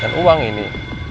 dan uang ini